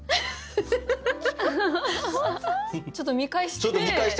ちょっと見返して。